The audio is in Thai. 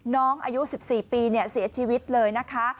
น้องอายุ๑๔ปีเสียชีวิตเลยนะคะ